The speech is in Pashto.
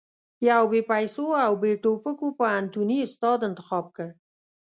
يو بې پيسو او بې ټوپکو پوهنتوني استاد انتخاب کړ.